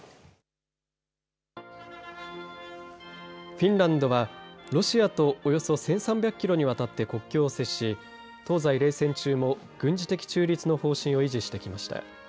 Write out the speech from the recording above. フィンランドはロシアとおよそ１３００キロにわたって国境を接し東西冷戦中も軍事的中立の方針を維持してきました。